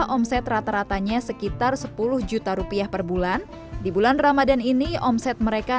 omset rata ratanya sekitar sepuluh juta rupiah per bulan di bulan ramadhan ini omset mereka